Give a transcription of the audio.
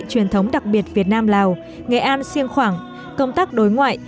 truyền thống đặc biệt việt nam lào nghệ an siêng khoảng công tác đối ngoại